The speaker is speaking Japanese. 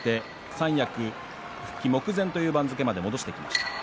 三役復帰目前という番付まで戻してきました。